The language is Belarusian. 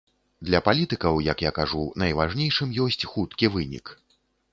Для палітыкаў, як я кажу, найважнейшым ёсць хуткі вынік.